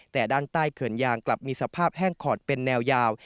แต่ด้านใต้เขื่อนยางกลับมีสภาพแห้งขอดเป็นแนวยาว